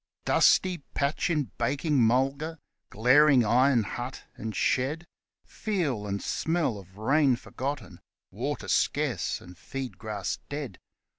Dusty patch in baking mulga glaring iron hut and shed Feel and smell of rain forgotten water scarce and feed grass dead.